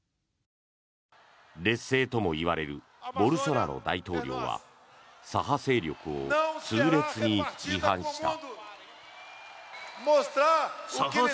劣勢ともいわれるボルソナロ大統領は左派勢力を痛烈に批判した。